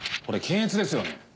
これ検閲ですよね？